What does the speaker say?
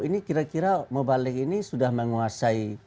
ini kira kira mubalik ini sudah menguasai